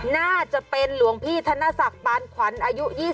น่าจะเป็นหลวงพี่ธนศักดิ์ปานขวัญอายุ๒๐